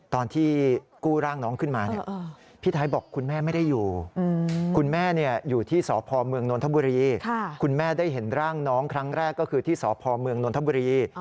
ตอนที่กู้ร่างน้องขึ้นมาเนี่ยพี่ไทยบอกคุณแม่ไม่ได้อยู่คุณแม่อยู่ที่สพเมืองนนทบุรีคุณแม่ได้เห็นร่างน้องครั้งแรกก็คือที่สพเมืองนทบุรี